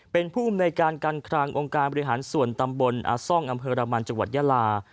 เป็นผู้อำนวยการการคลังองค์การบริหารส่วนตำบลอาซ่องอำเภอรามันจังหวัดยาลา